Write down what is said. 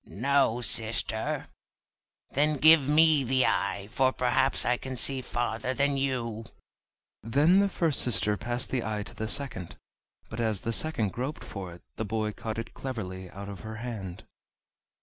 "No, sister." "Then give me the eye, for perhaps I can see farther than you." Then the first sister passed the eye to the second, but as the second groped for it the boy caught it cleverly out of her hand.